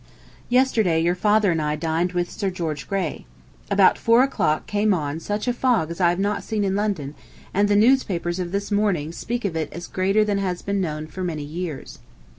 Yesterday your father and I dined with Sir George Grey. ... About four o'clock came on such a fog as I have not seen in London, and the newspapers of this morning speak of it as greater than has been known for many years.